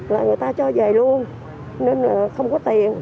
là người ta cho về luôn nên là không có tiền